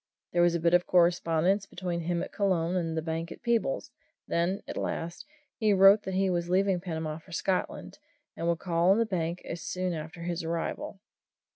There was a bit of correspondence between him at Colon and the bank at Peebles then, at last, he wrote that he was leaving Panama for Scotland, and would call on the bank soon after his arrival.